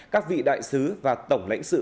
các vị đại sứ và tổng lãnh sự